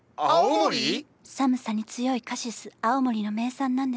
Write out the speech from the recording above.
寒さに強いカシス青森の名産なんです。